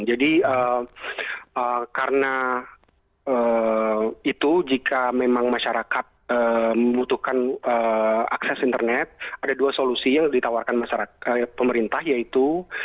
jadi karena itu jika memang masyarakat membutuhkan akses internet ada dua solusi yang ditawarkan pemerintah yaitu